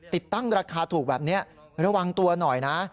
ติดตั้งราคาถูกแบบนี้ระวังตัวหน่อยนะ